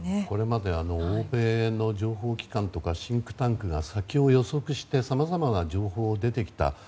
これまで欧米の情報機関とかシンクタンクが先を予測してさまざまな情報出てきた。